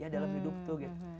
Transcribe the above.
ya dalam hidup tuh gitu